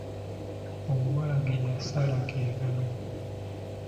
Omuwala ge yasala ge gano.